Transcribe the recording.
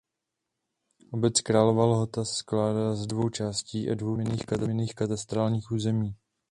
Obec Králova Lhota se skládá ze dvou částí a dvou stejnojmenných katastrálních území.